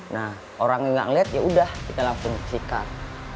nah orang yang gak ngelihat ya udah kita langsung sikat